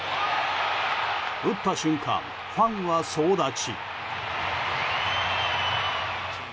打った瞬間、ファンは総立ち。